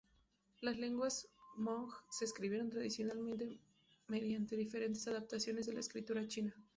Las lenguas hmong se escribieron tradicionalmente mediante diferentes adaptaciones de la escritura china.